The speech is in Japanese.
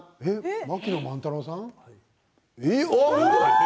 槙野万太郎さん？